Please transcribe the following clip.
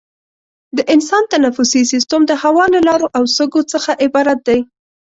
د انسان تنفسي سیستم د هوا له لارو او سږو څخه عبارت دی.